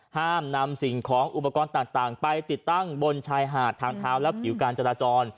ห้ามนำสิ่งของอุปกรณ์ต่างไปติดตั้งบนชายหาดทางเท้าและผิวการจราจร